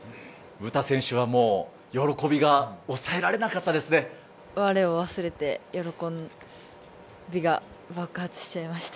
詩選手は喜びが抑えられなか我を忘れて喜びが爆発しちゃいました。